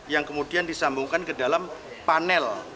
yang kemudian disambungkan ke dalam panel